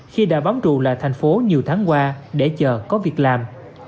khi đã bám trù là thành phố nhiều tháng qua để chờ có việc làm